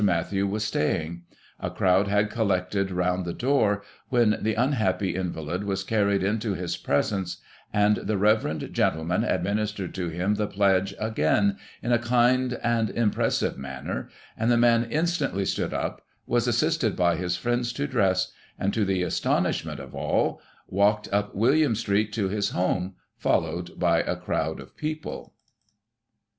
Mathew was staying; a crowd had collected round Digiti ized by Google 1842] EDWARD VII. 179 the door, when the tinhappy invalid was carried into his presence, and the reverend gentleman administered to him the pledge again, in a kind and impressive manner, and the man instantly stood up, was assisted by his friends to dress ; and, to the astonishment of all, wdked up William Street to his home, followed by a crowd of people."